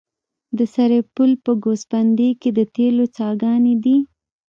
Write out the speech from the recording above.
د سرپل په ګوسفندي کې د تیلو څاګانې دي.